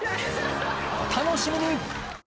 お楽しみに！